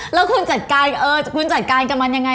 แล้วคุณจัดการกันมันยังไง